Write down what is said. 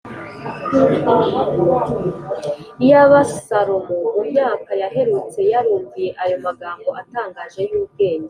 iyaba salomo mu myaka yaherutse yarumviye ayo magambo atangaje y’ubwenge!